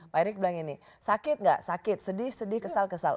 pak erick bilang ini sakit nggak sakit sedih sedih kesal kesal